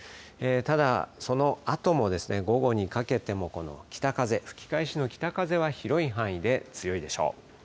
ただ、そのあとも午後にかけて北風、吹き返しの北風は広い範囲で強いでしょう。